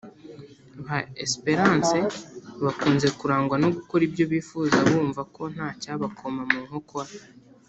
Ba Esperance bakunze kurangwa no gukora ibyo bifuza bumva ko ntacyabakoma mu nkokora